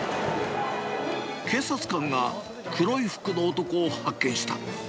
警察官が、黒い服の男を発見した。